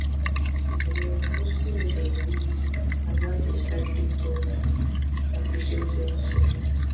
They were mostly made of reeds and had a slightly curved trapezoidal section.